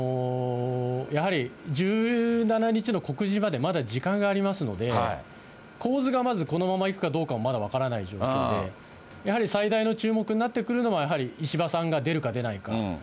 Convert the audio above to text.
やはり１７日の告示までまだ時間がありますので、構図がまず、このままいくかどうかもまだ分からない状況で、やはり最大の注目になってくるのは、やはり石破さんが出るか出ないか。